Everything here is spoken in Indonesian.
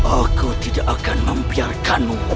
aku tidak akan membiarkanmu